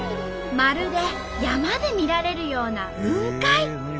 まるで山で見られるような雲海。